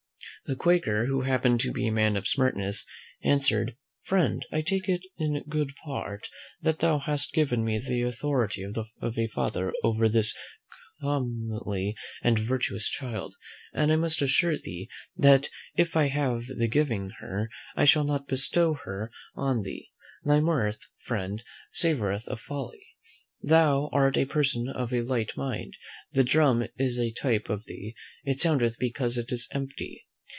The quaker, who happened to be a man of smartness, answered, "Friend, I take it in good part that thou hast given me the authority of a father over this comely and virtuous child; and I must assure thee, that if I have the giving her, I shall not bestow her on thee. Thy mirth, friend, savoureth of folly: Thou art a person of a light mind; thy drum is a type of thee, it soundeth because it is empty.